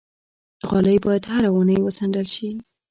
غالۍ باید هره اونۍ وڅنډل شي.